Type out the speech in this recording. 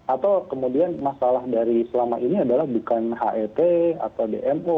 atau kemudian masalah dari selama ini adalah bukan het atau dmo